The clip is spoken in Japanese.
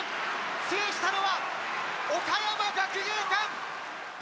制したのは、岡山学芸館。